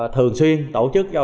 thường xuyên tổ chức cho